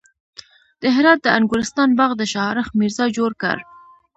د هرات د انګورستان باغ د شاهرخ میرزا جوړ کړ